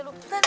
lu si dateng